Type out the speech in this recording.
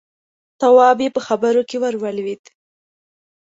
تواب يې په خبره کې ور ولوېد: